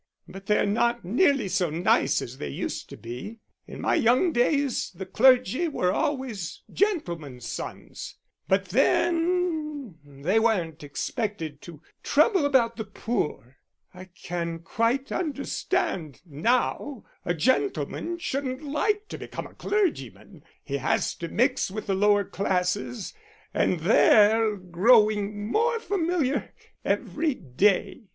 But they're not nearly so nice as they used to be. In my young days the clergy were always gentlemen's sons but then they weren't expected to trouble about the poor. I can quite understand that now a gentleman shouldn't like to become a clergyman; he has to mix with the lower classes, and they're growing more familiar every day."